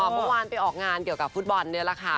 เมื่อวานไปออกงานเกี่ยวกับฟุตบอลนี่แหละค่ะ